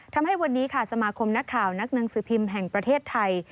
ทำให้วันนี้ค่ะสมาคมนักข่าวนักหนังสือพิมพ์แห่งประเทศไทย